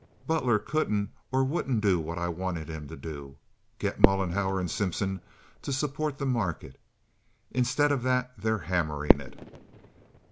Butler couldn't or wouldn't do what I wanted him to do—get Mollenhauer and Simpson to support the market. Instead of that they are hammering it.